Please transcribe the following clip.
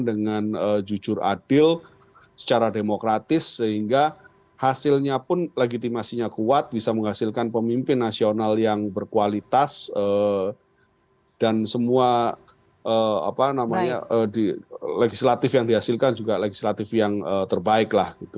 dengan jujur adil secara demokratis sehingga hasilnya pun legitimasinya kuat bisa menghasilkan pemimpin nasional yang berkualitas dan semua legislatif yang dihasilkan juga legislatif yang terbaik lah gitu